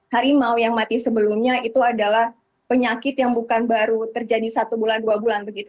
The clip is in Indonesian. harimau yang mati sebelumnya itu adalah penyakit yang bukan baru terjadi satu bulan dua bulan begitu